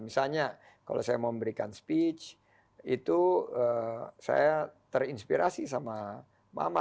misalnya kalau saya mau memberikan speech itu saya terinspirasi sama mama